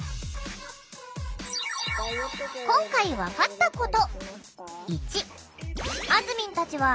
今回分かったこと！